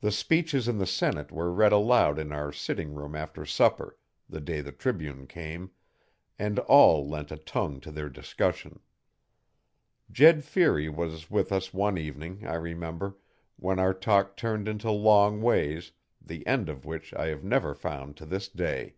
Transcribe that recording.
The speeches in the Senate were read aloud in our sitting room after supper the day the Tribune came and all lent a tongue to their discussion. Jed Feary was with us one evening, I remember, when our talk turned into long ways, the end of which I have never found to this day.